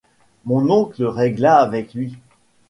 Mon oncle régla avec lui.